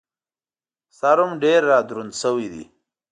سر هم ډېر را دروند شوی دی.